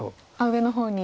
上の方に。